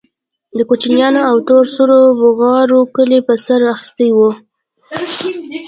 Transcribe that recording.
د کوچنيانو او تور سرو بوغارو کلى په سر اخيستى و.